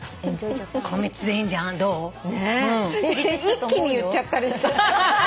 一気に言っちゃったりして。